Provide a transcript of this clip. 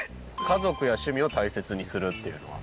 家族や趣味を大切にするっていうのは。